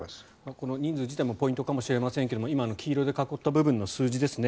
この人数自体もポイントかもしれませんが今の黄色で囲った部分の数字ですね。